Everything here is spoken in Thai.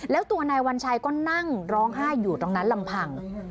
แล้วตัวนายวัญชัยก็นั่งร้องไห้อยู่ตรงนั้นลำพัง